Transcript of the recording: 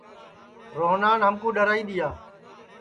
روہنان ہمکُو ڈؔرائی دؔیا